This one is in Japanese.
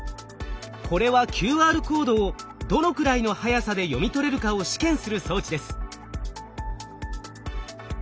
これはＱＲコードをどのくらいの速さで読み取れるかを試験する装置です。